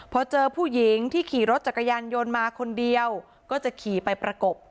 พอเจอผู้หญิงที่ขี่รถจักรยานยนต์มาคนเดียวก็จะขี่ไปประกบ